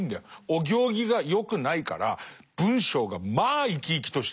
お行儀が良くないから文章がまあ生き生きとしてる。